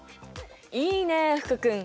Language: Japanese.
いいね福君！